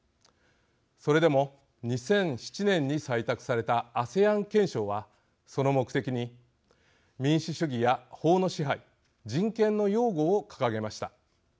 それでも２００７年に採択されたＡＳＥＡＮ憲章はその目的に民主主義や法の支配人権の擁護を掲げました。